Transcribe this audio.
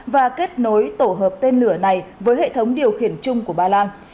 và kết nối tổ hợp tên lửa này với hệ thống điều khiển chung của ba lan